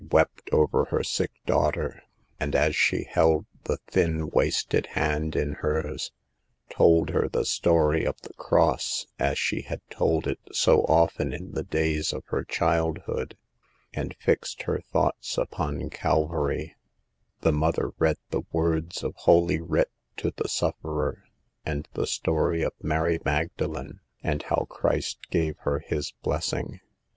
i * wept over her sick daughter ; and as she held the thin, wasted hand in hers, told her the story of the Cross as she had told it so often in the days of her childhood, and fixed her thoughts upon Calvary, The mother read the words of Holy Writ to the sufferer, and the story of Mary Magdalen, and how Christ gave her His bless ing.